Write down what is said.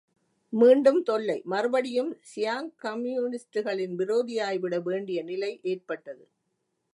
மீண்டும் தொல்லை மறுபடியும் சியாங் கம்யூனிஸ்டுகளின் விரோதியாய்விட வேண்டிய நிலை ஏற்பட்டது.